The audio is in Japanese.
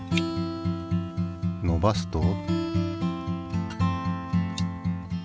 のばすと。